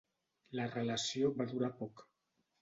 La relació va durar poc.